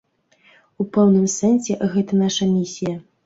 У пэўным сэнсе гэта наша місія.